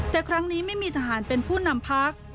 แต่ครั้งนี้ไม่มีทหารเป็นผู้นำพัก